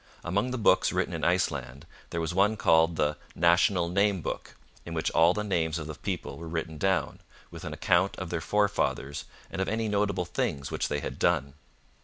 Among the books written in Iceland there was one called the 'National Name Book,' in which all the names of the people were written down, with an account of their forefathers and of any notable things which they had done.